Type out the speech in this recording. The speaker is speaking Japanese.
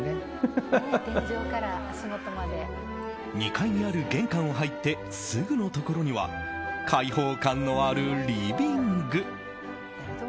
２階にある玄関を入ってすぐのところには開放感のあるリビング。